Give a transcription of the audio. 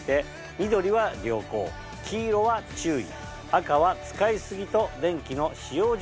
緑は良好黄色は注意。